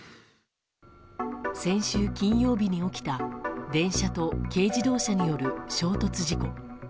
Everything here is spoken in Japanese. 先週金曜日に起きた電車と軽自動車による衝突事故。